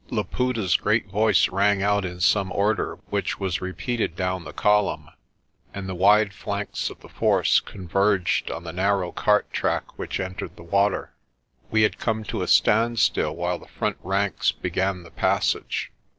Laputa's great voice rang out in some order which was re peated down the column, and the wide flanks of the force converged on the narrow cart track which entered the water. We had come to a standstill while the front ranks began the passage.